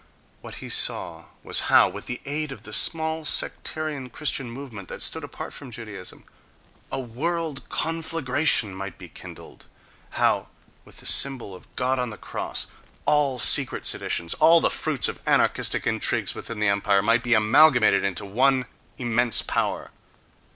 What he saw was how, with the aid of the small sectarian Christian movement that stood apart from Judaism, a "world conflagration" might be kindled; how, with the symbol of "God on the cross," all secret seditions, all the fruits of anarchistic intrigues in the empire, might be amalgamated into one immense power.